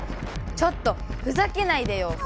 ちょっとふざけないでよ！